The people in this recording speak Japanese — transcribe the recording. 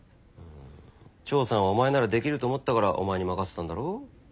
長さんはお前ならできると思ったからお前に任せたんだろ。